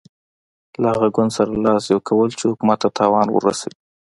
له هغه ګوند سره لاس یو کول چې حکومت ته تاوان ورسوي.